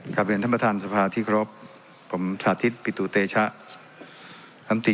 กลับเรียนท่านประธานสภาที่ครบผมสาธิตปิตุเตชะลำตี